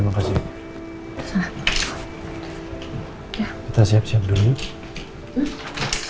nanti kita siapin bintangnya buat mas al ya